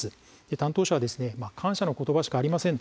担当者は感謝の言葉しかありません。